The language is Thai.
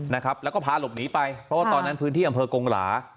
นะครับแล้วก็พาหลบหนีไปเพราะว่าตอนนั้นพื้นที่อำเภอกงหลา